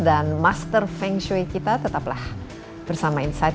dan master feng shui kita tetaplah bersama insight